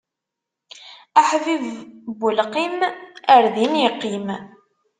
Aḥbib n ulqim, ar din iqqim!